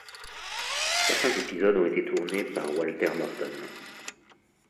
Certains épisodes ont été tournés par Walter Morton.